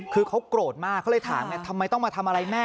คือเขาโกรธมากเขาเลยถามไงทำไมต้องมาทำอะไรแม่